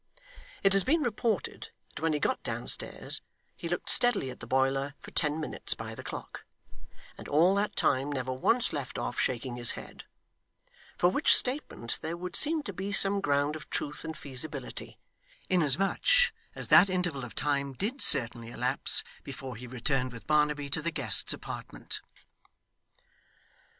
It has been reported that when he got downstairs, he looked steadily at the boiler for ten minutes by the clock, and all that time never once left off shaking his head; for which statement there would seem to be some ground of truth and feasibility, inasmuch as that interval of time did certainly elapse, before he returned with Barnaby to the guest's apartment.